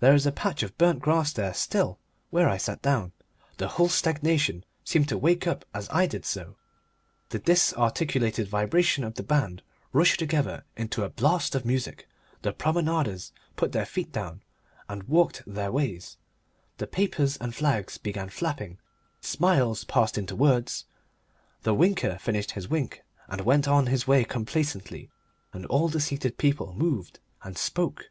There is a patch of burnt grass there still where I sat down. The whole stagnation seemed to wake up as I did so, the disarticulated vibration of the band rushed together into a blast of music, the promenaders put their feet down and walked their ways, the papers and flags began flapping, smiles passed into words, the winker finished his wink and went on his way complacently, and all the seated people moved and spoke.